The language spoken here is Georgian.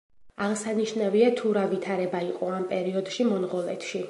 აღსანიშნავია, თუ რა ვითარება იყო ამ პერიოდში მონღოლეთში.